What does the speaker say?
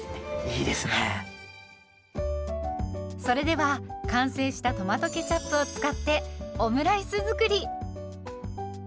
それでは完成したトマトケチャップを使ってオムライス作り。